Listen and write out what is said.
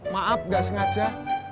maaf gak sengaja